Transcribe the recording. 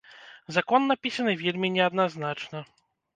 Закон напісаны вельмі неадназначна.